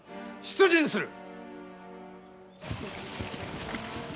出陣する！